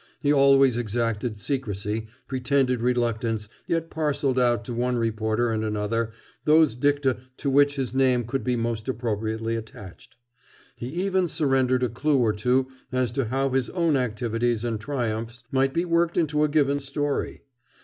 He always exacted secrecy, pretended reluctance, yet parceled out to one reporter and another those dicta to which his name could be most appropriately attached. He even surrendered a clue or two as to how his own activities and triumphs might be worked into a given story.